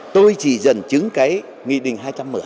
tôi chỉ dần chứng cái nghị định hai trăm một mươi